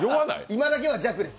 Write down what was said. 今だけは弱です。